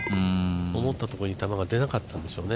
思ったところに球が出なかったんでしょうね。